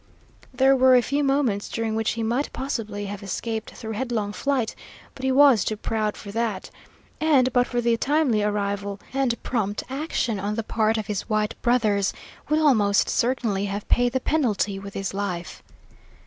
There were a few moments during which he might possibly have escaped through headlong flight, but he was too proud for that, and but for the timely arrival and prompt action on the part of his white brothers would almost certainly have paid the penalty with his life.